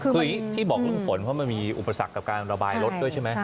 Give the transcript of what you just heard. คืออย่างนี้ที่บอกเรื่องฝนเพราะมันมีอุปสรรคกับการระบายรถด้วยใช่ไหม